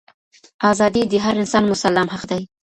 ازادي د هر انسان مسلم حق دی.